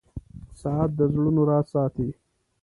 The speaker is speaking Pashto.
• ساعت د زړونو راز ساتي.